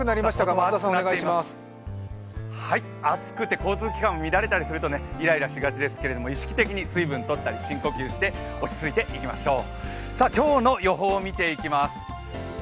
暑くて交通機関も乱れたりするとイライラしがちですけれども意識的に水分をとったり深呼吸して落ち着いていきましょう。